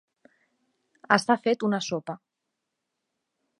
Està fet una sopa.